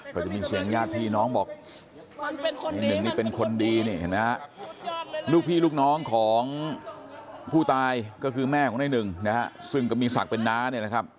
ก็จะมีเสียงญาติพี่น้องบอกเป็นคนดีนี่นะลูกพี่ลูกน้องของผู้ตายก็คือแม่ของไอ้หนึ่งนะครับซึ่งกะมิสักเป็นน้าเนี่ยนะครับ